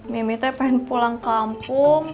mimi teh pengen pulang kampung